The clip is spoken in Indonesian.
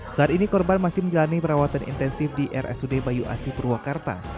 saat ini korban masih menjalani perawatan intensif di rsud bayu asih purwakarta